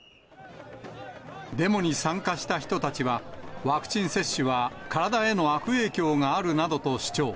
デモに参加した人たちは、ワクチン接種は体への悪影響があるなどと主張。